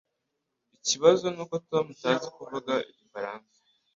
Ikibazo nuko Tom atazi kuvuga igifaransa.